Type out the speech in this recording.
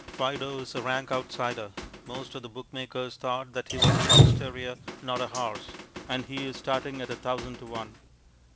Fido is a rank outsider most of the bookmakers thought that he was a fox terrier, not a horse and he is starting at a thousand to one.